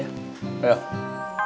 sampai jumpa lagi